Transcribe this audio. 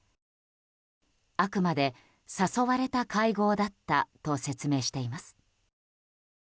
あくまで誘われた会合だったと説明しています。